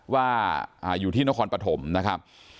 ว่าอยู่ที่นครปฐมนะครับ